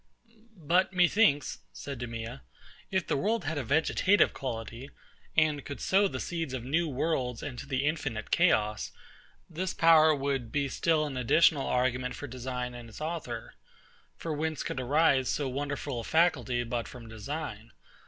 But methinks, said DEMEA, if the world had a vegetative quality, and could sow the seeds of new worlds into the infinite chaos, this power would be still an additional argument for design in its author. For whence could arise so wonderful a faculty but from design?